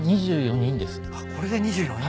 あっこれで２４人。